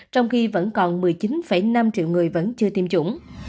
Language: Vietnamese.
trong khi vẫn còn một mươi chín năm triệu người vẫn chưa tiêm chủng